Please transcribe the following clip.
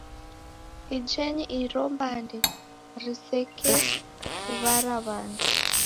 Injenyi iro mbande risekekuw'ara w'andu.